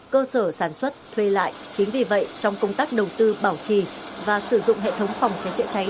cơ sở sản xuất thuê lại chính vì vậy trong công tác đầu tư bảo trì và sử dụng hệ thống phòng cháy chữa cháy